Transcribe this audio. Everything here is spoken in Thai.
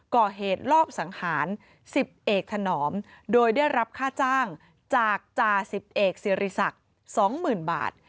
ก่อเหตุลอบสังหาร๑๐เอกถนอมโดยได้รับค่าจ้างจากจ่าสิบเอกสิริศักดิ์๒๐๐๐บาท